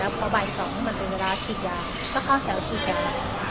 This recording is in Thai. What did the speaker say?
แล้วพอบ่ายสองมันเป็นเวลาฉีดยาก็เขาแถวฉีดยา